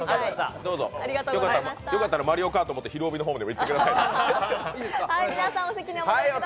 良かったら「マリオカート」持って「ひるおび」の方まで行ってください。